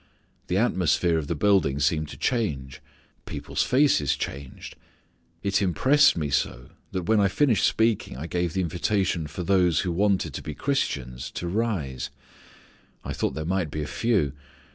The atmosphere of the building seemed to change. The people's faces changed. It impressed me so that when I finished speaking I gave the invitation for those who wanted to be Christians to rise. I thought there might be a few.